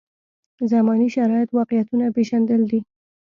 زمانې شرایط واقعیتونه پېژندل دي.